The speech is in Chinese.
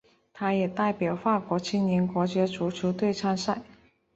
他也代表法国青年国家足球队参赛。